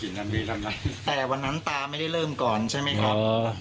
กินนั่นนี่นั่นนั่นแต่วันนั้นตาไม่ได้เริ่มก่อนใช่ไหมครับ